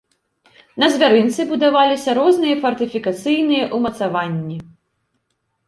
На звярынцы будаваліся розныя фартыфікацыйныя ўмацаванні.